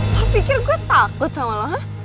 lo pikir gue takut sama lo hah